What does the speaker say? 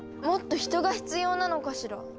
もっと人が必要なのかしら？